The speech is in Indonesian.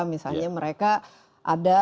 misalnya mereka ada